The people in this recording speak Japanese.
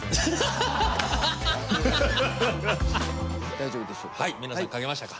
大丈夫でしょうか？